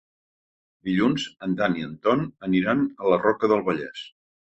Dilluns en Dan i en Ton aniran a la Roca del Vallès.